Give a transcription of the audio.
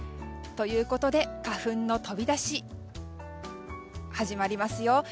ということで花粉の飛び出し始まりますよ。